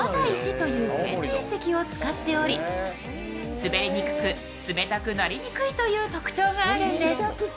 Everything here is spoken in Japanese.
滑りにくく、冷たくなりにくいという特徴があるんです。